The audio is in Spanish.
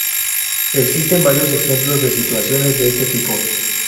Existen varios ejemplos de situaciones de este tipo.